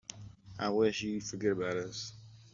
I wish you'd forget about us.